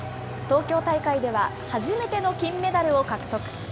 東京大会では初めての金メダルを獲得。